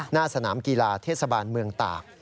หน้าสนามกีฬาเทศบาลเมืองตาก